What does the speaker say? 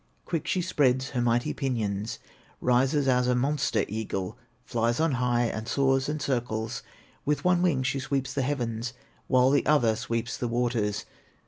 Quick she spreads her mighty pinions, Rises as a monster eagle, Flies on high, and soars, and circles; With one wing she sweeps the heavens, While the other sweeps the waters.